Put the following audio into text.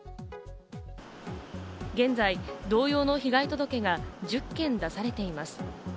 現在、同様の被害届が１０件、出されています。